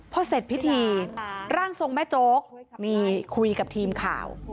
พอเสร็จพิธีร่างทรงแม่โจ๊กนี่คุยกับทีมข่าว